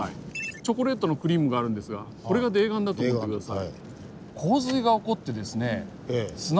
チョコレートのクリームがあるんですがこれが泥岩だと思って下さい。